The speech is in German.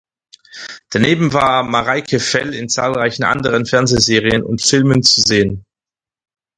Daneben war Mareike Fell in zahlreichen anderen Fernsehserien und -filmen zu sehen.